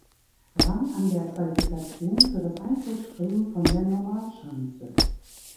Rang an der Qualifikation für das Einzelspringen von der Normalschanze.